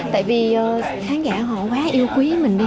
tại vì khán giả họ quá yêu quý mình đi